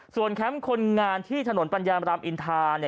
แคมป์คนงานที่ถนนปัญญามรามอินทา